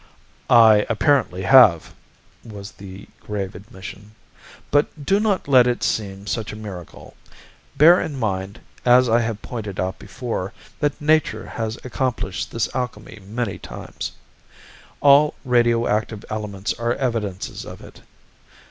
"I apparently have," was the grave admission. "But do not let it seem such a miracle. Bear in mind, as I have pointed out before, that nature has accomplished this alchemy many times. All radio active elements are evidences of it.